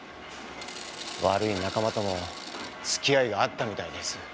悪い仲間とも付き合いがあったみたいです。